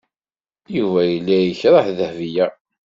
Yuba yella yekreh Dahbiya.